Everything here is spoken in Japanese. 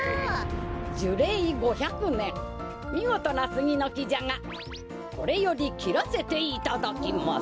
じゅれい５００ねんみごとなスギのきじゃがこれよりきらせていただきます。